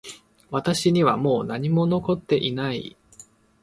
私にはもう何も残っていない